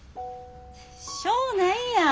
しょうないやん